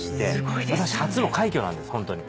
私初の快挙なんですホントに。